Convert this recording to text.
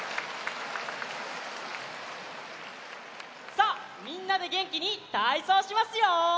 さあみんなでげんきにたいそうしますよ！